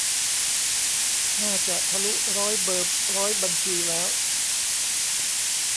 น่าจะทะลุร้อยเบอร์ร้อยบัญชีแล้ว